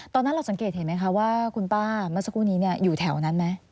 ตอนนั้นเราสังเกตเห็นไหมคะว่าคุณป้าเมื่อสักครู่นี้อยู่แถวนั้นไหม